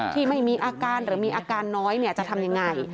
ที่ไม่มีอาการหรือมีอาการน้อยจะทำยังไง